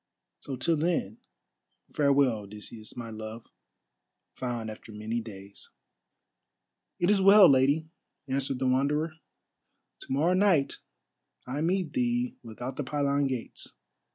So till then, farewell, Odysseus, my love, found after many days." "It is well, Lady," answered the Wanderer. "To morrow night I meet thee without the pylon gates.